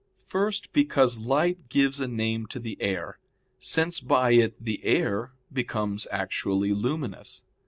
First, because light gives a name to the air, since by it the air becomes actually luminous.